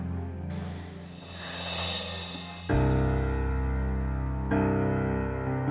tapi kenapa amira bilang ayahnya sudah meninggal